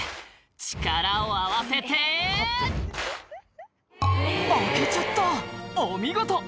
「力を合わせて！」開けちゃったお見事！